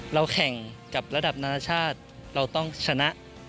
เราแข่งกับระดับนานาชาติเราต้องชนะ